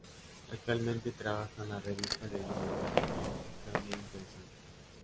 Actualmente trabaja en la revista de divulgación científica "Muy Interesante".